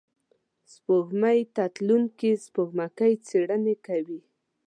سپوږمۍ ته تلونکي سپوږمکۍ څېړنې کوي